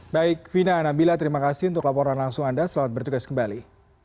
baik vina nabila terima kasih untuk laporan langsung anda selamat bertugas kembali